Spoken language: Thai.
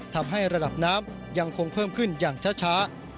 ทำให้ระดับน้ำยังคงเพิ่มขึ้นอย่างช้า